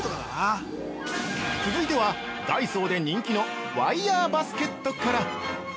◆続いては、ダイソーで人気のワイヤーバスケットから。